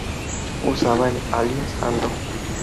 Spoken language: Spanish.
Usaba el alias "Aldo".